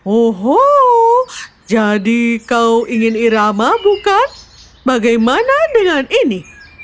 oho jadi kau ingin irama bukan bagaimana dengan ini